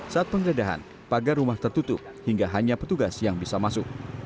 saat penggeledahan pagar rumah tertutup hingga hanya petugas yang bisa masuk